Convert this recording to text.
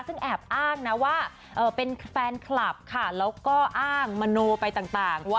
ซึ่งแอบอ้างนะว่าเป็นแฟนคลับค่ะแล้วก็อ้างมโนไปต่าง